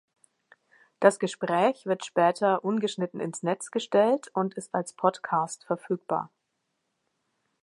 Das Gespräch wird später ungeschnitten ins Netz gestellt und ist als Podcast verfügbar.